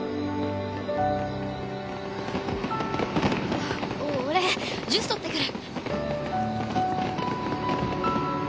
あっおっ俺ジュース取ってくる。